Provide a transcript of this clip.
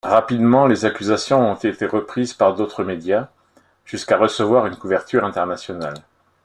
Rapidement, les accusations ont été reprises par d'autres médias, jusqu'à recevoir une couverture internationale.